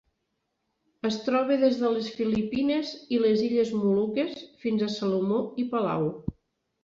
Es troba des de les Filipines i les Illes Moluques fins a Salomó i Palau.